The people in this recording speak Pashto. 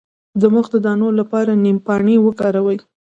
د مخ د دانو لپاره د نیم پاڼې وکاروئ